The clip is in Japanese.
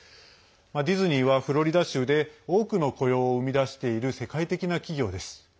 ディズニーはフロリダ州で多くの雇用を生み出している世界的な企業です。